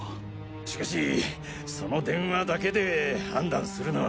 しかしその電話だけで判断するのは。